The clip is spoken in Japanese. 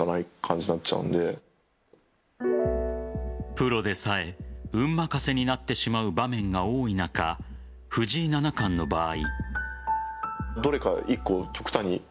プロでさえ運任せになってしまう場面が多い中藤井七冠の場合。